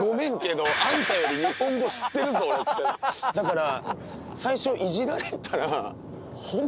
だから。